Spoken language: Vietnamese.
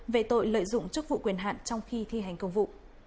về tội lợi dụng chức vụ quyền hạn trong khi thi hành công vụ